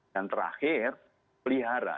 dan terakhir pelihara